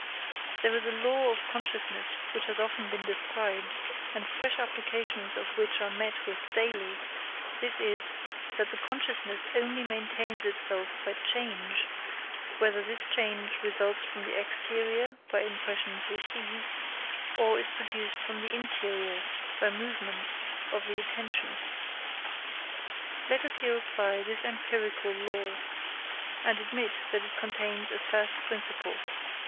There is a law of consciousness which has often been described, and fresh applications of which are met with daily: this is, that the consciousness only maintains itself by change, whether this change results from the exterior by impressions received, or is produced from the interior by movements of the attention. Let us here apply this empirical law, and admit that it contains a first principle.